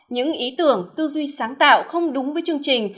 những ý tưởng tư duy sáng tạo không đúng với chương trình